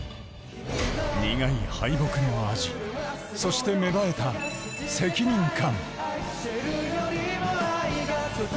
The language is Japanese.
苦い敗北の味そして、芽生えた責任感。